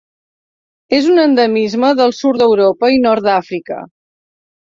És un endemisme del sud d'Europa i Nord d'Àfrica.